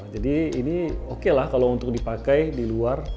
jadi ini oke lah kalau untuk dipakai di luar